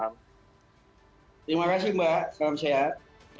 terima kasih mbak salam sehat